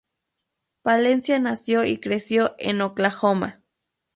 Palencia nació y creció en Oklahoma.